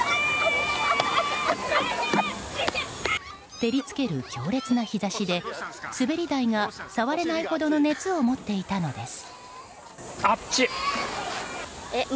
照り付ける強烈な日差しで滑り台が、触れないほどの熱を持っていたのです。